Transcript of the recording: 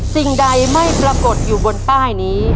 สิ่งใดไม่ปรากฏอยู่บนป้ายนี้